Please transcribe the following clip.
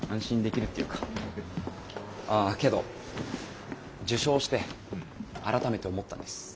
あけど受賞して改めて思ったんです。